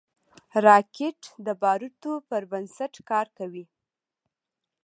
راکټ د بارودو پر بنسټ کار کوي